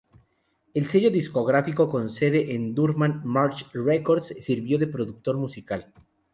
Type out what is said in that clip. El sello discográfico con sede en Durham Merge Records sirvió de productor musical.